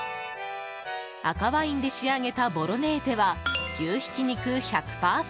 赤ワインで仕上げたボロネーゼは牛ひき肉１００％。